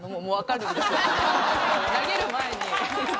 投げる前に。